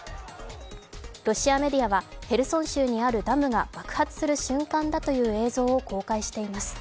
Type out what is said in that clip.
ロシアメディアはヘルソン州にあるダムが爆発する瞬間だという映像を公開しています。